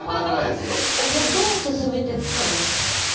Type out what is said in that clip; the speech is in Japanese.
じゃあどう進めていったんですか？